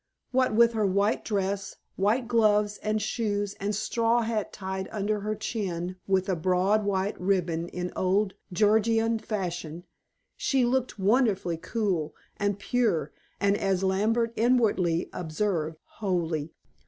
What with her white dress, white gloves and shoes, and straw hat tied under her chin with a broad white ribbon in old Georgian fashion, she looked wonderfully cool, and pure, and as Lambert inwardly observed holy.